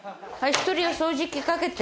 １人は掃除機かけて。